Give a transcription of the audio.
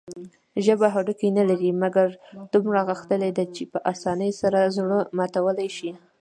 ژبه هډوکي نلري، مګر دومره غښتلي ده چې په اسانۍ سره زړه ماتولى شي.